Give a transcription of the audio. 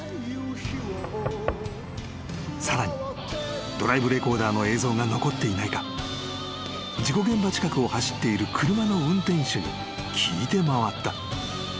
［さらにドライブレコーダーの映像が残っていないか事故現場近くを走っている車の運転手に聞いて回った］